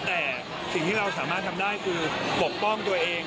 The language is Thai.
แต่สิ่งที่เราสามารถทำได้คือปกป้องตัวเอง